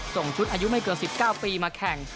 ส่งชุดอายุไม่เกิน๑๙ปีมาแข่ง